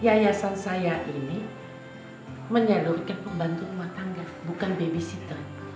yayasan saya ini menyalurkan pembantu rumah tangga bukan babysitter